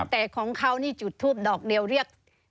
แต่ของเขานี่จุดทูปดอกเดียวเรียก